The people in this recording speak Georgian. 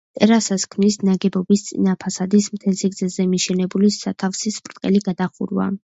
ტერასას ქმნის ნაგებობის წინა ფასადის მთელ სიგრძეზე მიშენებული სათავსის ბრტყელი გადახურვა.